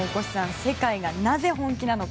世界がなぜ本気なのか。